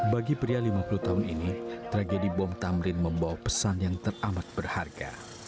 bagi pria lima puluh tahun ini tragedi bom tamrin membawa pesan yang teramat berharga